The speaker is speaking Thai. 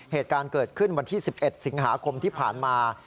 เหตุการณ์เกิดขึ้นวันที่๑๑สิงหาคมที่ผ่านมา